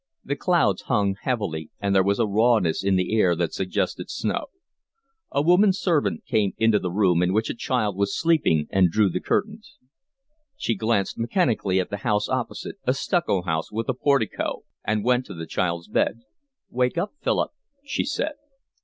The clouds hung heavily, and there was a rawness in the air that suggested snow. A woman servant came into a room in which a child was sleeping and drew the curtains. She glanced mechanically at the house opposite, a stucco house with a portico, and went to the child's bed. "Wake up, Philip," she said.